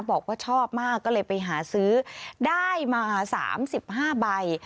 บอกว่าชอบมากก็เลยไปหาซื้อได้มาสามสิบห้าใบ